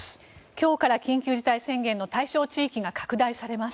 今日から緊急事態宣言の対象地域が拡大されます。